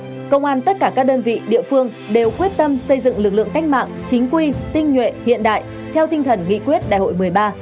cảnh sát cơ động công an tất cả các đơn vị địa phương đều quyết tâm xây dựng lực lượng cách mạng chính quy tinh nhuệ hiện đại theo tinh thần nghị quyết đại hội một mươi ba